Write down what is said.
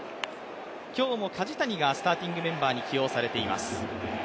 今日も梶谷がスターティングメンバーに起用されています。